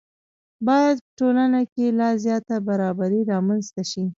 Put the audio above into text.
باید په ټولنه کې لا زیاته برابري رامنځته شي.